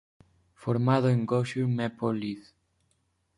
Formado en Goshen Maple Leafs.